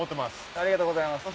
ありがとうございます。